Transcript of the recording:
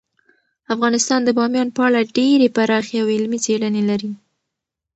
افغانستان د بامیان په اړه ډیرې پراخې او علمي څېړنې لري.